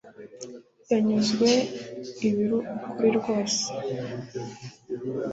yanyuzwe ibiri ukuri rwose